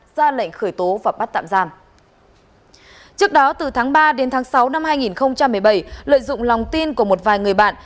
ra lệnh khởi tố và bắt tạm giam trước đó từ tháng ba đến tháng sáu năm hai nghìn một mươi bảy lợi dụng lòng tin của một vài người bạn